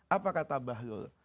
apa kata bahlul